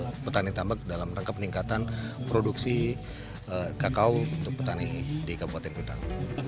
dan juga untuk petani tambak dalam rangka peningkatan produksi kakao untuk petani di kabupaten pinderang